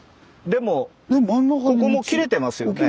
でもここも切れてますよね。